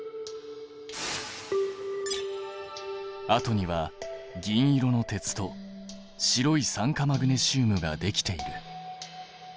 あとには銀色の鉄と白い酸化マグネシウムができている。